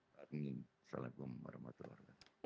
assalamu'alaikum warahmatullahi wabarakatuh